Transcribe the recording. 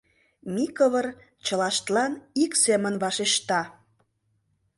Микывыр чылаштлан ик семын вашешта: